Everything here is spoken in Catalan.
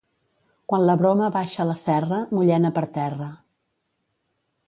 Quan la broma baixa la serra, mullena per terra.